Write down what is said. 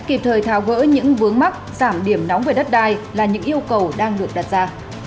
kịp thời tháo gỡ những vướng mắc giảm điểm nóng về đất đai là những yêu cầu đang được đặt ra